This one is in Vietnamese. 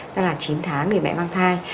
đó là chín tháng người mẹ mang thai